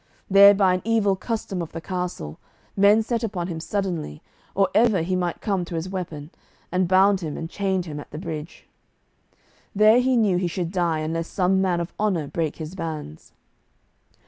There by an evil custom of the castle men set upon him suddenly or ever he might come to his weapon, and bound him, and chained him at the bridge. There he knew he should die unless some man of honour brake his bands.